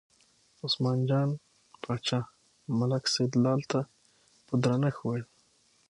عثمان جان باچا ملک سیدلال ته په درنښت وویل.